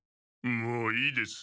もういいです。